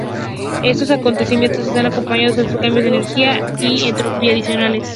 Estos acontecimientos están acompañados por cambios de energía y entropía adicionales.